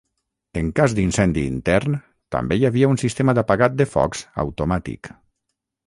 En cas d'incendi intern, també hi havia un sistema d'apagat de focs automàtic.